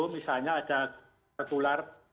misalnya ada tertular